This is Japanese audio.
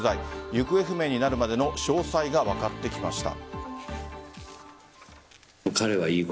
行方不明になるまでの詳細が分かってきました。